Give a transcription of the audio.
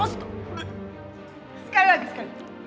sekali lagi sekali